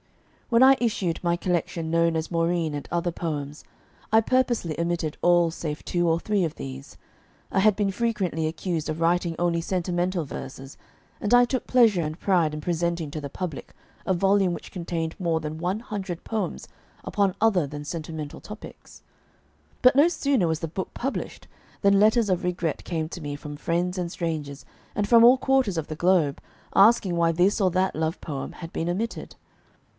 When I issued my collection known as "Maurine, and Other Poems," I purposely omitted all save two or three of these. I had been frequently accused of writing only sentimental verses; and I took pleasure and pride in presenting to the public a volume which contained more than one hundred poems upon other than sentimental topics. But no sooner was the book published than letters of regret came to me from friends and strangers, and from all quarters of the globe, asking why this or that love poem had been omitted.